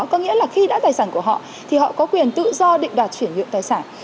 có nghĩa là khi đã tài sản của họ thì họ có quyền tự do định đoạt chuyển nhượng tài sản